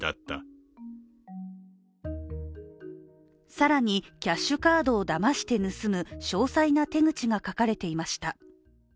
更にキャッシュカードをだまして盗む詳細な手口が書かれていました。